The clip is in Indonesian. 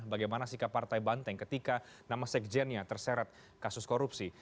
bagaimana sikap partai banteng ketika nama sekjennya terseret kasus korupsi